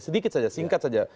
sedikit saja singkat saja